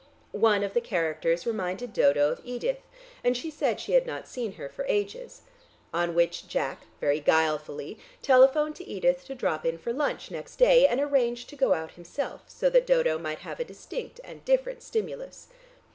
One of the characters reminded Dodo of Edith, and she said she had not seen her for ages. On which Jack, very guilefully, telephoned to Edith to drop in for lunch next day, and arranged to go out himself, so that Dodo might have a distinct and different stimulus.